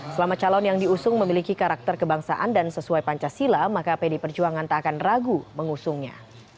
selama calon yang diusung memiliki karakter kebangsaan dan sesuai pancasila maka pdi perjuangan tak akan ragu mengusungnya